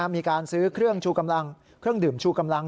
มีการซื้อเครื่องชูกำลังเครื่องดื่มชูกำลัง